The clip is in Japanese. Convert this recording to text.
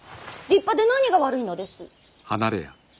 立派で何が悪いのです。